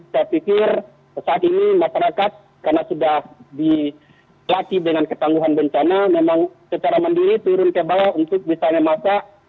saya pikir saat ini masyarakat karena sudah dilatih dengan ketangguhan bencana memang secara mandiri turun ke bawah untuk misalnya masak